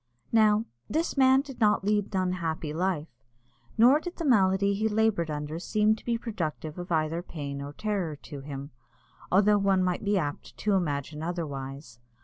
Now, this man did not lead an unhappy life, nor did the malady he laboured under seem to be productive of either pain or terror to him, although one might be apt to imagine otherwise.